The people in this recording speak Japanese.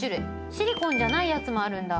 シリコンじゃないやつもあるんだ。